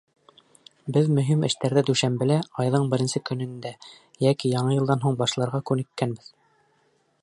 Беҙ мөһим эштәрҙе дүшәмбелә, айҙың беренсе көнөндә йәки Яңы йылдан һуң башларға күнеккәнбеҙ.